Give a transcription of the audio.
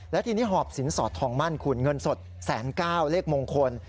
และทีนี้หอบสินสอดทองมั่นคุณเงินสด๑๙๐๐เลขมงคล